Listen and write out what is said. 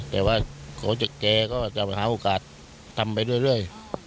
แต่ว่าแกก็จะหาโอกาสทำไปเรื่อย